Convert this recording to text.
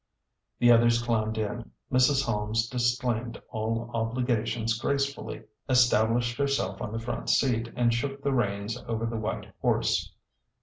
The others climbed in. Mrs. Holmes disclaimed all ob^ ligations gracefully, established herself on the front seat, and shook the reins over the white horse.